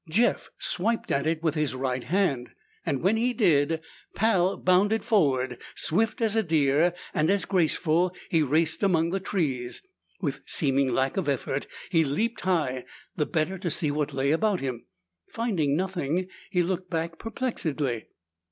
Jeff swiped at it with his right hand. When he did, Pal bounded forward. Swift as a deer, and as graceful, he raced among the trees. With seeming lack of effort, he leaped high, the better to see what lay about him. Finding nothing, he looked back perplexedly.